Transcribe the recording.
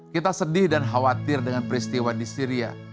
kita sedih dan khawatir dengan peristiwa di syria